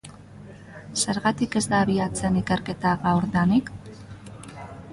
Zergatik ez da abiatzen ikerketa gaurdanik?